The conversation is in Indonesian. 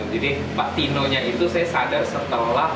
jadi pak tinonya itu saya sadar setelah